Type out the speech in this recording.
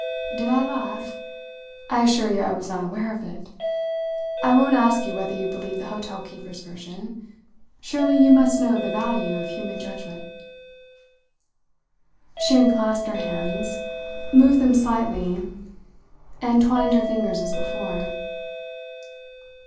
"Did I laugh? I assure you I was not aware of it. I won't ask you whether you believe the hotel keeper's version. Surely you must know the value of human judgement!" She unclasped her hands, moved them slightly, and twined her fingers as before.